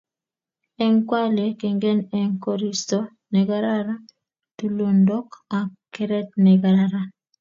eng kwale kengen eng koristo ne kararan tulondok ak keret ne kararan